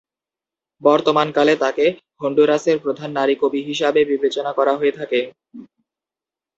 বর্তমানকালে তাকে হন্ডুরাসের প্রধান নারী কবি হিসাবে বিবেচনা করা হয়ে থাকে।